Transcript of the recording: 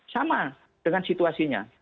sama dengan situasinya